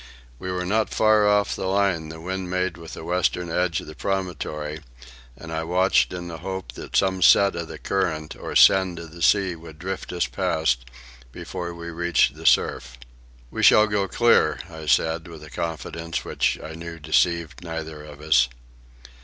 We were not far off the line the wind made with the western edge of the promontory, and I watched in the hope that some set of the current or send of the sea would drift us past before we reached the surf. "We shall go clear," I said, with a confidence which I knew deceived neither of us.